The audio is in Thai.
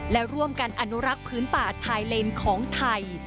และร่วมกันอนุรักษ์พื้นป่าชายเลนของไทย